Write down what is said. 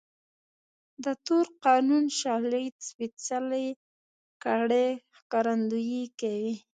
د تور قانون شالید سپېڅلې کړۍ ښکارندويي کوي.